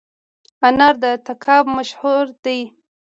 انار د تګاب مشهور دي